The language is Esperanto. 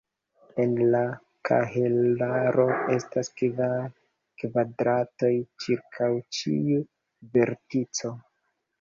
En la kahelaro estas kvar kvadratoj ĉirkaŭ ĉiu vertico.